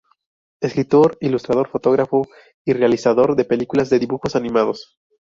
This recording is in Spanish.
Escritor, ilustrador, fotógrafo y realizador de películas de dibujos animados.